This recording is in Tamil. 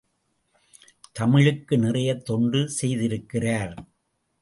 தமிழுக்கு நிறையத் தொண்டு செய்திருக்கிறார்.